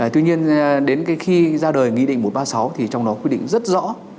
tuy nhiên đến khi ra đời nghị định một trăm ba mươi sáu thì trong đó quy định rất rõ